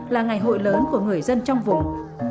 là ngày hội lớn của người dân trong vùng